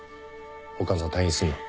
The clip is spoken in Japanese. お母さん退院すんの。